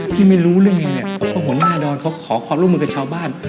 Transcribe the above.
พี่ไม่รู้เลยไงเนี่ยว่าหุนาดรเขาขอความรวมมือนกับชาวบ้าน